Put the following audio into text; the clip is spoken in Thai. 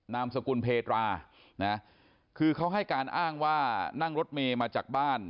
นามสกุลเพตรานะคือเขาให้การอ้างว่านั่งรถเมย์มาจากบ้าน